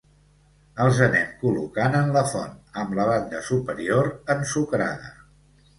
Els anem col·locant en la font, amb la banda superior ensucrada.